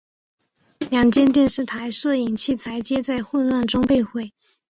两间电视台摄影器材皆在混乱中被毁。